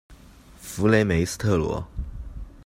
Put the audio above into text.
弗雷梅斯特罗。